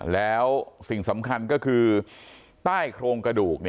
แล้วสิ่งสำคัญก็คือใต้โครงกระดูก